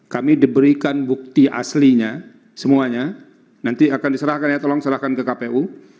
kami diberikan bukti aslinya semuanya nanti akan diserahkan ya tolong serahkan ke kpu